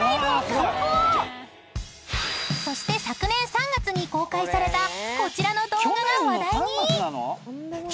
［そして昨年３月に公開されたこちらの動画が話題に］